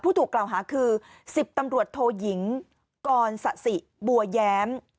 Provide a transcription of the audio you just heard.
ผู้ถูกกล่าวหาคือ๑๐ตำรวจโทหญิงกรศสิบัวย้ำ